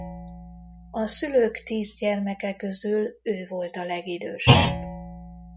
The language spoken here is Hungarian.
A szülők tíz gyermeke közül ő volt a legidősebb.